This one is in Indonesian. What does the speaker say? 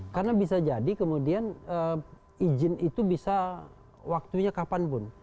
karena bisa jadi kemudian izin itu bisa waktunya kapanpun